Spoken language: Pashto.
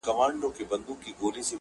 د کمزورو کنډوالې دي چي نړېږي..